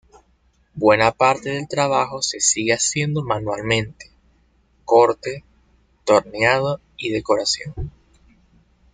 Buena parte del trabajo se sigue haciendo manualmente: corte, torneado y decoración.